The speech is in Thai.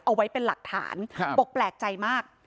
เอาไว้เป็นหลักฐานบอกแปลกใจมาก